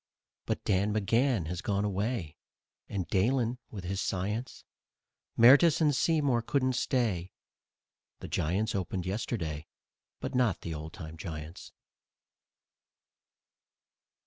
But Dan McGann has gone away And Dahlen with his science; Mertes and Seymour couldn't stay The Giants opened yesterday But not the old time Giants.